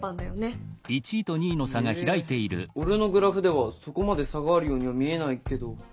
え俺のグラフではそこまで差があるようには見えないけど。